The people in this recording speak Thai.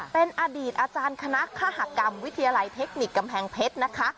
เป็นอดีตอาจารย์คณะฆากรรมวิทยาลัยเทคนิคกำแพงเพชรนะคะ